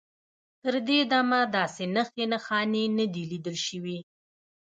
تر دې دمه داسې نښې نښانې نه دي لیدل شوي.